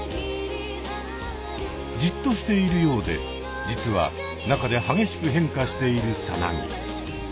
じっとしているようで実は中で激しく変化しているさなぎ。